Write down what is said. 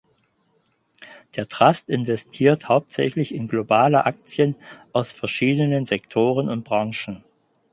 Der Trust investiert hauptsächlich in globale Aktien aus verschiedenen Sektoren und Branchen.